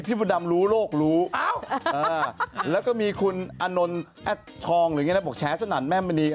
มดดำรู้โลกรู้แล้วก็มีคุณอานนท์แอดทองหรืออย่างนี้นะบอกแฉสนั่นแม่มณี